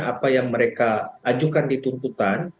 apa yang mereka ajukan dituntutan